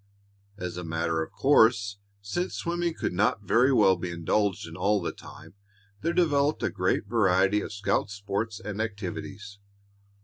As a matter of course, since swimming could not very well be indulged in all the time, there developed a great variety of scout sports and activities.